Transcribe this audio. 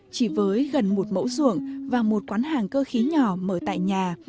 chỉ với gần một mẫu ruộng và một quán hàng cơ khí nhỏ mở tại nhà